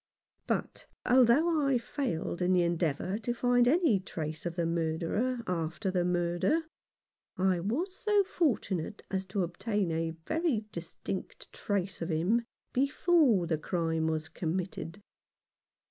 But although I failed in the 108 yohn Fauncis Experiences. No. 29. endeavour to find any trace of the murderer after the murder, I was so far fortunate as to obtain a very distinct trace of him before the crime was committed.